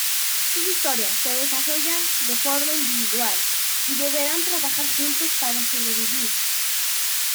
Sus historias se desarrollan de forma individual, y deberán trabajar juntos para sobrevivir.